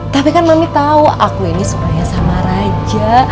tapi kan mami tau aku ini suka sama raja